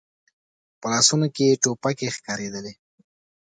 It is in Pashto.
په لاسونو کې يې ټوپکې ښکارېدلې.